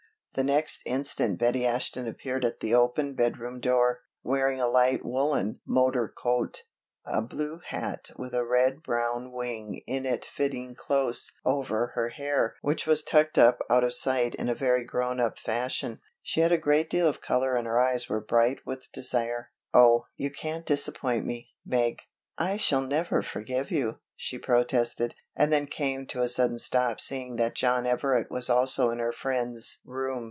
The next instant Betty Ashton appeared at the open bedroom door, wearing a light woolen motor coat, a blue hat with a red brown wing in it fitting close over her hair which was tucked up out of sight in a very grown up fashion. She had a great deal of color and her eyes were bright with desire. "Oh, you can't disappoint me, Meg; I shall never forgive you," she protested, and then came to a sudden stop seeing that John Everett was also in her friend's room.